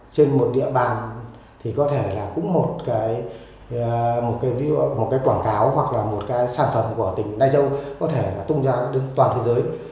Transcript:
trên một địa bàn thì có thể là cũng một cái quảng cáo hoặc là một cái sản phẩm của tỉnh lai châu có thể là tung ra trên toàn thế giới